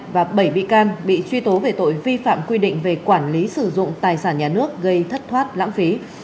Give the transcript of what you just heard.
và bảy bị can bị truy tố về tội vi phạm quy định về quản lý sử dụng tài sản nhà nước gây thất thoát lãng phí